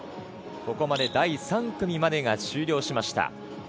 ここまで第３組までが終了しました。